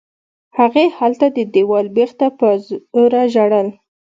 هغې هلته د دېوال بېخ ته په زوره ژړل.